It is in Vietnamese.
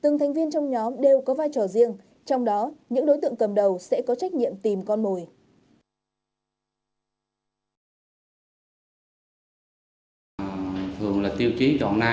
nhưng trong đó những đối tượng cầm đầu sẽ có trách nhiệm tìm con mồi